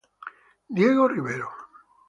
Diego Rivero